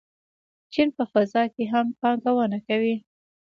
چین په فضا کې هم پانګونه کوي.